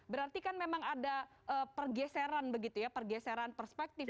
berarti kan memang ada pergeseran begitu ya pergeseran perspektif